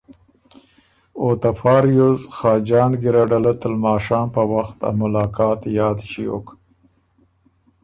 او ته فا ریوز خاجان ګیرډه له ته لماشام په وخت ا ملاقات یاد ݭیوک